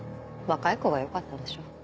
若い子がよかったんでしょ。